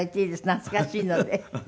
懐かしいので。